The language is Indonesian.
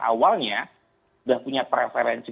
awalnya sudah punya preferensi